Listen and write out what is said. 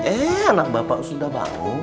eh anak bapak sudah bangun